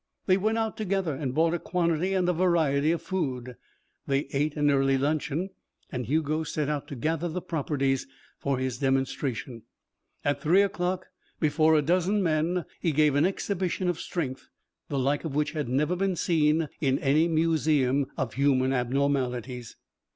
They went out together and bought a quantity and a variety of food. They ate an early luncheon and Hugo set out to gather the properties for his demonstration. At three o'clock, before a dozen men, he gave an exhibition of strength the like of which had never been seen in any museum of human abnormalities.